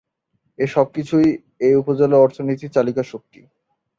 এসব কিছুই এ উপজেলার অর্থনীতির চালিকা শক্তি।